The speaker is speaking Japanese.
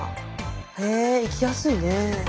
へえ行きやすいね。